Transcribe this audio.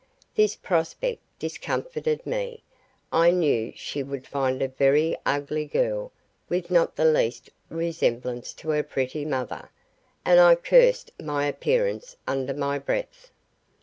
This prospect discomfited me. I knew she would find a very ugly girl with not the least resemblance to her pretty mother, and I cursed my appearance under my breath.